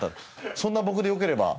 そんな僕でよければ。